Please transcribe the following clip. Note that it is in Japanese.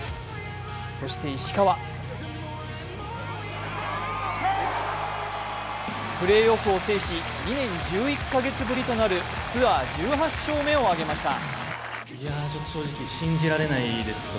そして石川プレーオフを制し、２年１１か月ぶりとなるツアー１８勝目を挙げました。